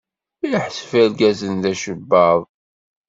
Iḥseb irgazen d acebbaḍ.